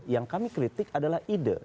yang kami kritik adalah ide